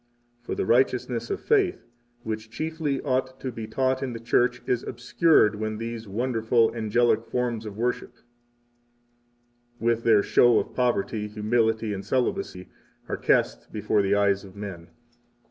For the righteousness of faith, which chiefly ought to be taught in the Church, is obscured when these wonderful angelic forms of worship, with their show of poverty, humility, and celibacy, are cast before the eyes of men.